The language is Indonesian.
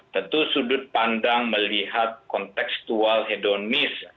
tentu sudut pandang melihat kontekstual hedonis